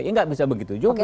ya gak bisa begitu juga